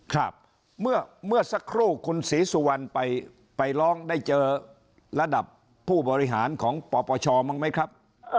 ครับเมื่อสักครู่คุณศรีสุวรรณไปร้องได้เจอระดับผู้บริหารของปปชบ้างไหมครับ